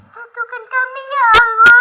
satukan kami ya allah